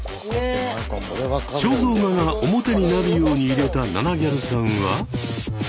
肖像画が表になるように入れたななギャルさんは。